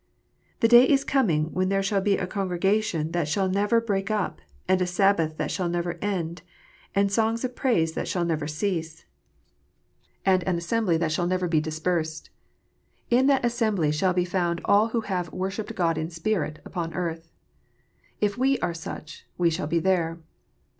The day is coming when there shall be a congregation that shall never break up, and a Sabbath that shall never end, a song of praise that shall never cease, and an assembly that shall WORSHIP. 297 never be dispersed. In that assembly shall be found all who have " worshipped God in spirit " upon earth. If we are such, we shall be there.